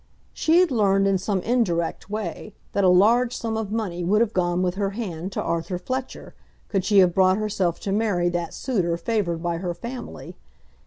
She had learned in some indirect way that a large sum of money would have gone with her hand to Arthur Fletcher, could she have brought herself to marry that suitor favoured by her family.